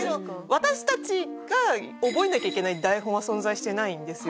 私たちが覚えなきゃいけない台本は存在していないんですよ。